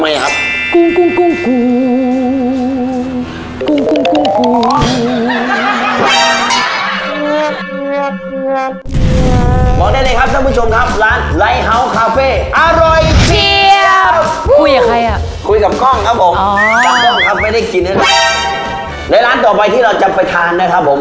อ๋อครับครับไม่ได้กินอีกแล้วครับในร้านต่อไปที่เราจะไปทานนะครับผม